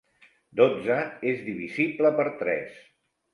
Dotze és divisible per tres.